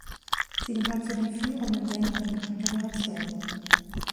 Sie gehört zu den führenden Sängerinnen ihrer Generation.